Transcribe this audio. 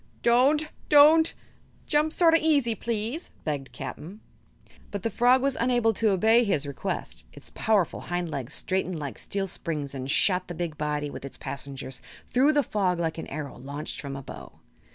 "Don't don't! Jump sort o' easy, please," begged Cap'n Bill. But the frog was unable to obey his request. Its powerful hind legs straightened like steel springs and shot the big body, with its passengers, through the fog like an arrow launched from a bow.